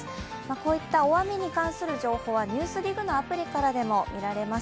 こういった大雨に関する情報は、「ＮＥＷＳＤＩＧ」のアプリからでも見られます。